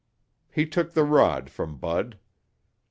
He took the rod from Bud.